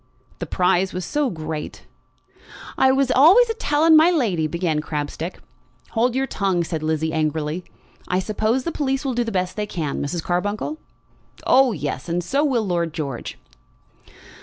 "The prize was so great." "I always was a telling my lady " began Crabstick. "Hold your tongue!" said Lizzie angrily. "I suppose the police will do the best they can, Mrs. Carbuncle?" "Oh yes; and so will Lord George."